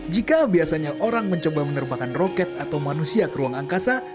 jika biasanya orang mencoba menerbangkan roket atau manusia ke ruang angkasa